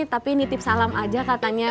tapi nitip salam aja katanya